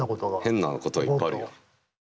変なことはいっぱいあるよ。